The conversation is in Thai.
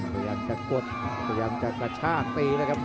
พยายามจะกดพยายามจะกระชากตีแล้วครับ